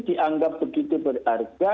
dianggap begitu berharga